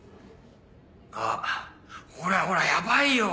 あっほらほらヤバいよ。